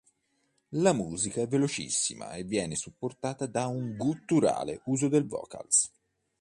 La musica è velocissima e viene supportata da un gutturale uso delle vocals.